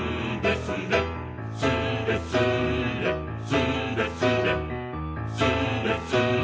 「スレスレスーレスレ」「スレスレ」